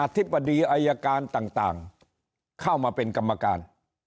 ธิบดีอายการต่างเข้ามาเป็นกรรมการ